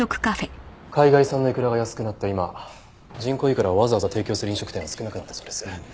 海外産のいくらが安くなった今人工いくらをわざわざ提供する飲食店は少なくなったそうです。